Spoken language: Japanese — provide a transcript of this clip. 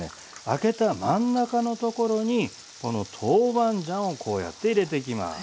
あけた真ん中のところにこの豆板醤をこうやって入れていきます。